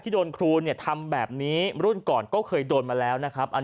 โดนครูเนี่ยทำแบบนี้รุ่นก่อนก็เคยโดนมาแล้วนะครับ